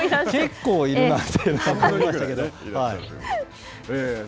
結構いるなと思いましたけど。